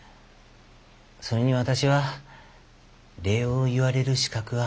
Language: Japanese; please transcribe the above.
それに私は礼を言われる資格はありません。